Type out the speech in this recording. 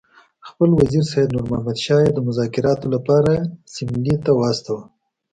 خپل وزیر سید نور محمد شاه یې د مذاکراتو لپاره سیملې ته واستاوه.